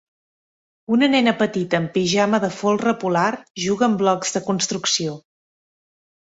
Una nena petita amb pijama de folre polar juga amb blocs de construcció.